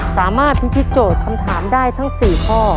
สามารถพิธีโจทย์คำถามได้ทั้ง๔ข้อ